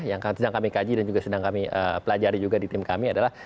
yang sedang kami kaji dan juga sedang kami pelajari juga di tim kami adalah